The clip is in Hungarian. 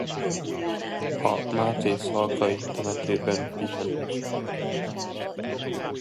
A mátészalkai temetőben pihen.